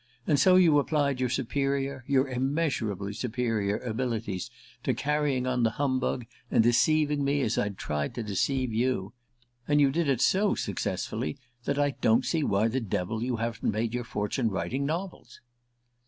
And so you applied your superior your immeasurably superior abilities to carrying on the humbug, and deceiving me as I'd tried to deceive you. And you did it so successfully that I don't see why the devil you haven't made your fortune writing novels!"